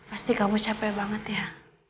pasti kamu capek banget ya